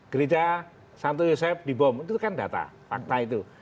gereja santo yosef dibom itu kan data fakta itu